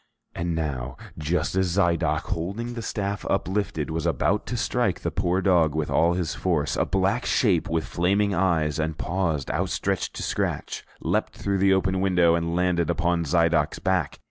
And now, just as Zidoc, holding the staff uplifted, was about to strike the poor dog with all his force, a black shape, with flaming eyes and paws outstretched to scratch, leaped through the open window and landed upon Zidoc's back.